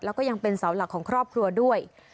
แล้วก็ยังเป็นเสาหลักของครอบครัวด้วย